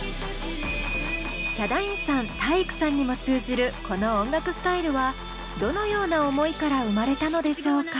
ヒャダインさん体育さんにも通じるこの音楽スタイルはどのような思いから生まれたのでしょうか？